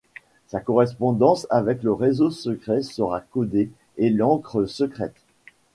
Sa correspondance avec le réseau secret sera codé et l'encres secrète.